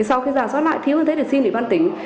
sau khi giả soát lại thiếu như thế thì xin ủy ban tỉnh